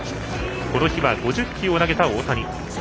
この日は５０球を投げた大谷。